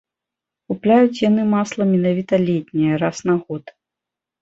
Купляюць яны масла менавіта летняе, раз на год.